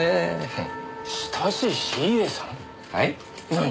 何？